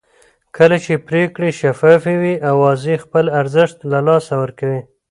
کله چې پرېکړې شفافې وي اوازې خپل ارزښت له لاسه ورکوي